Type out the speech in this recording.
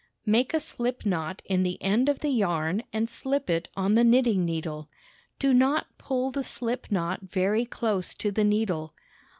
Make a sHp knot in the end of the yarn and slip it on the knitting needle. Do not pull the slip knot very close to the needle.